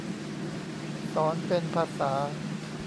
สอนเป็นภาษา